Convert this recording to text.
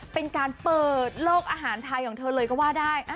เป็นการเปิดโลกอาหารไทยของเธอเลยก็ว่าได้